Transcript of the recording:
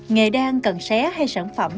nghề đang cần xé hay sản phẩm